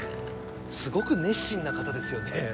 すごく熱心な方ですよね